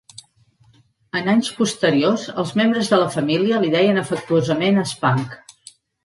En anys posteriors els membres de la família li deien afectuosament Spank.